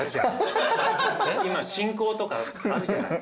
今進行とかあるじゃない。